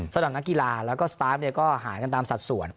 สำหรับนักกีฬาแล้วก็สตาร์ฟก็หายกันตามสัดส่วน